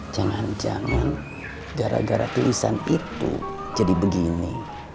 jangan jangan gara gara tulisan itu jadi begini